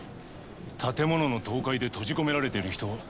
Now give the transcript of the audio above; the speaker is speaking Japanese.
建物の倒壊で閉じ込められている人